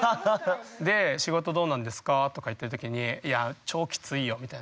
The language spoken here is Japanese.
「仕事どうなんですか？」とか言ってる時に「いや超きついよ」みたいな。